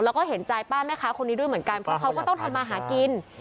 แล้วก็เห็นใจป้าแม่ค้าคนนี้ด้วยเหมือนกันเพราะเขาก็ต้องทำมาหากิน